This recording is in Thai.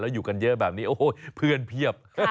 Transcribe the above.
อยู่กันเยอะแบบนี้โอ้ยเพื่อนเพียบ